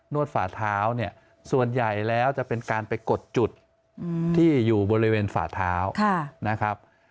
วดฝาเท้าเนี่ยส่วนใหญ่แล้วจะเป็นการไปกดจุดที่อยู่บริเวณฝาเท้านะครับ